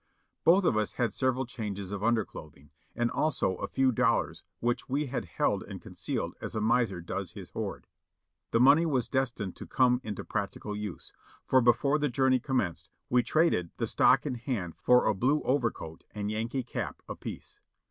Both of us had several changes of underclothing, and also a few dollars which we had held and concealed as a miser does his hoard. The money was destined to come into practical use, for before the journey commenced we traded the stock in hand for a blue overcoat and Yankee cap apiece.